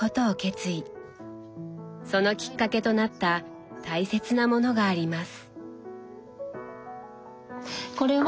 そのきっかけとなった大切なものがあります。